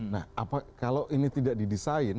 nah kalau ini tidak didesain